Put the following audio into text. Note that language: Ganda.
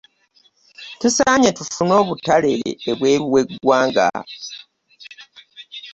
Tusanye tufune obutale ebweru we gwanga.